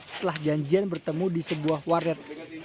setelah janjian bertemu di sebuah warret